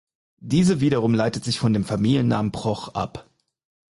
Dieser wiederum leitet sich von dem Familiennamen Broch ab.